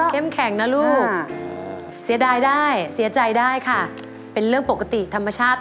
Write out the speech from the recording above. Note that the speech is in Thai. แข็งนะลูกเสียดายได้เสียใจได้ค่ะเป็นเรื่องปกติธรรมชาติ